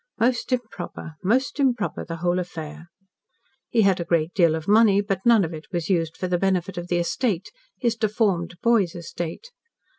Most improper most improper, the whole affair. He had a great deal of money, but none of it was used for the benefit of the estate his deformed boy's estate.